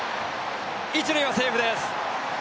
一塁はセーフです。